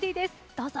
どうぞ。